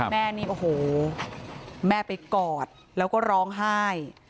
แม่นี่โอ้โหแม่ไปกอดแล้วก็ร้องไห้